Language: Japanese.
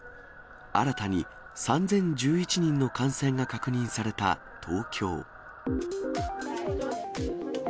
新たに３０１１人の感染が確認された東京。